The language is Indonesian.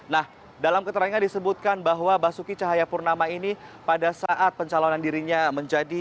nah dalam keterangan disebutkan bahwa basuki cahayapurnama ini pada saat pencalonan dirinya menjadi